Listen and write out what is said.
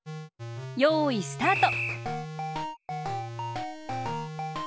よいスタート！